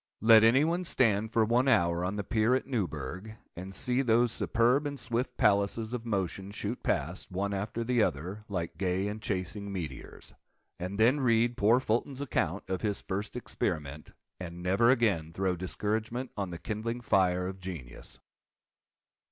Let any one stand for one hour on the pier at Newburgh, and see those superb and swift palaces of motion shoot past, one after the other, like gay and chasing meteors; and then read poor Fulton's account of his first experiment—and never again throw discouragement on the kindling fire of genius.